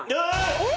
えっ！